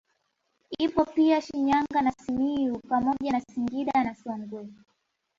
Ipo pia Shinyanga na Simiyu pamoja na Singida na Songwe